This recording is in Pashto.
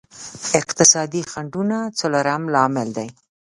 اقتصادي خنډونه څلورم لامل دی.